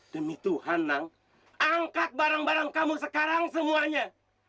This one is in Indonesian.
demi tuhan nang angkat barang barang kamu sekarang semuanya